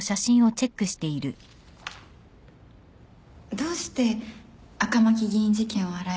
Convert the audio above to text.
どうして赤巻議員事件を洗い直してるの？